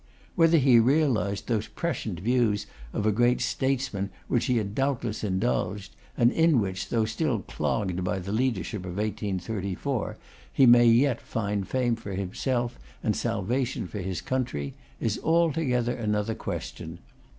Whether he realised those prescient views of a great statesman in which he had doubtless indulged, and in which, though still clogged by the leadership of 1834, he may yet find fame for himself and salvation for his country, is altogether another question.